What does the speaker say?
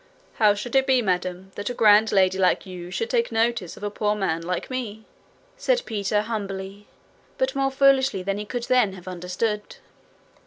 'How should it be, madam, that a grand lady like you should take notice of a poor man like me?' said Peter, humbly, but more foolishly than he could then have understood.